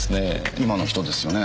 今の人ですよね？